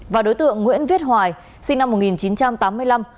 và đối tượng nguyễn viết hoài sinh năm một nghìn chín trăm tám mươi năm